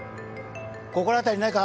心当たりないか？